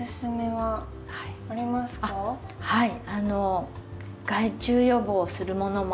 はい。